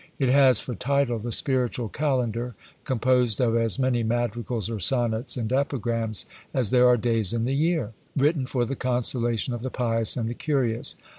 It has for title, "The Spiritual Kalendar, composed of as many Madrigals or Sonnets and Epigrams as there are days in the year; written for the consolation of the pious and the curious.